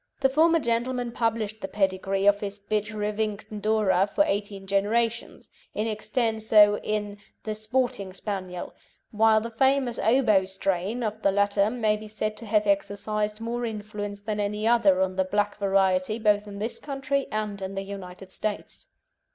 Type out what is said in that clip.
The former gentleman published the pedigree of his bitch Rivington Dora for eighteen generations in extenso in The Sporting Spaniel; while the famous Obo strain of the latter may be said to have exercised more influence than any other on the black variety both in this country and in the United States.